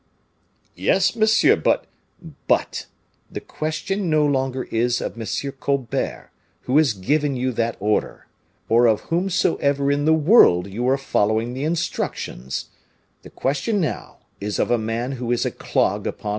"Yes, monsieur; but " "But the question no longer is of M. Colbert, who has given you that order, or of whomsoever in the world you are following the instructions; the question now is of a man who is a clog upon M.